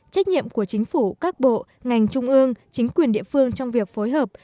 trách nhiệm của chính phủ các bộ ngành trung ương chính quyền địa phương trong việc phối hợp